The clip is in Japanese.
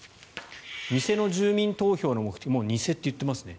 偽の住民投票の目的もう偽って言ってますね。